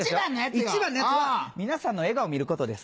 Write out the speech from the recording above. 一番のやつは皆さんの笑顔を見ることです。